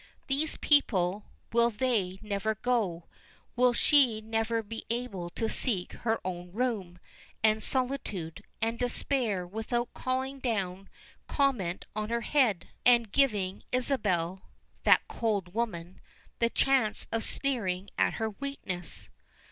These people, will they never go, will she never be able to seek her own room, and solitude, and despair without calling down comment on her head, and giving Isabel that cold woman the chance of sneering at her weakness?